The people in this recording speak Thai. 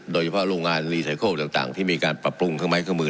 โดยเฉพาะโรงงานต่างต่างที่มีการปรับปรุงเครื่องไม้เครื่องมือ